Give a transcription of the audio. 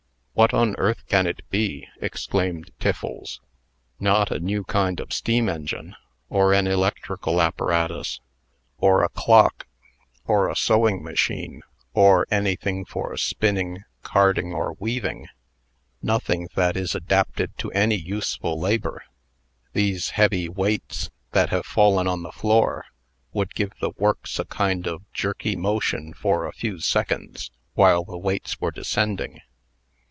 "What on earth can it be?" exclaimed Tiffles. "Not a new kind of steam engine; or an electrical apparatus; or a clock; or a sewing machine; or anything for spinning, carding, or weaving nothing that is adapted to any useful labor. These heavy weights, that have fallen on the floor, would give the works a kind of jerky motion for a few seconds, while the weights were descending.